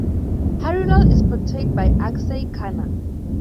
Harilal is portrayed by Akshaye Khanna.